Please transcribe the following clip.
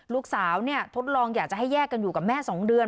ลูกสาวทดลองอยากจะให้แยกกันอยู่กับแม่๒เดือน